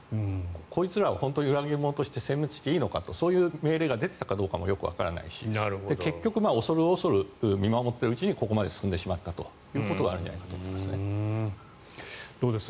こいつらを本当に裏切り者としてせん滅していいのかとそういう命令が出ていたかどうかもわからないし結局恐る恐る見守っているうちにここまで進んでしまったということがあるんじゃないかと思いますね。